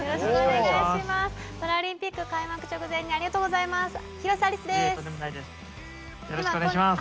パラリンピック開幕直前にありがとうございます。